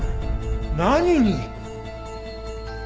何に！？